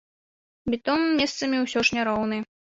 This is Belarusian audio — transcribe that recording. Бетон месцамі ўсё ж няроўны.